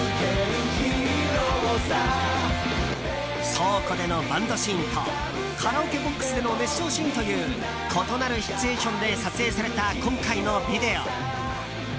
倉庫でのバンドシーンとカラオケボックスでの熱唱シーンという異なるシチュエーションで撮影された今回のビデオ。